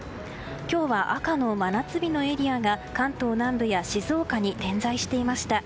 今日は赤の真夏日のエリアが関東南部や静岡に点在していました。